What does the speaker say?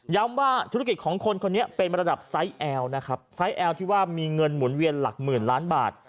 ว่าธุรกิจของคนคนนี้เป็นระดับไซส์แอลนะครับไซส์แอลที่ว่ามีเงินหมุนเวียนหลักหมื่นล้านบาท